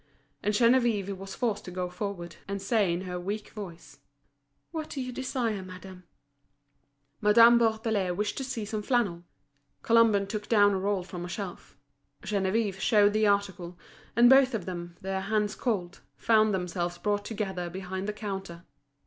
And Geneviève was forced to go forward, and say in her weak voice: "What do you desire, madame?" Madame Bourdelais wished to see some flannel. Colomban took down a roll from a shelf. Geneviève showed the article; and both of them, their hands cold, found themselves brought together behind the counter.